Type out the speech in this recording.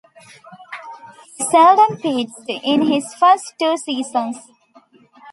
He seldom pitched in his first two seasons.